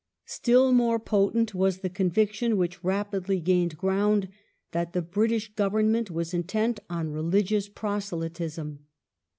Still more potent was the conviction which rapidly gained gi ound that the British Government were intent on religious proselytism.